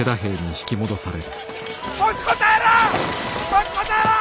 持ちこたえろ！